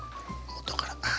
元から。